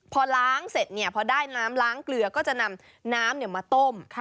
พอล้างเสร็จพอได้น้ำล้างเกลือก็จะนำน้ำมาต้ม